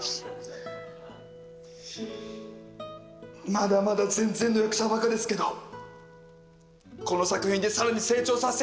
まだまだ全然の役者ばかですけどこの作品でさらに成長させていただきました！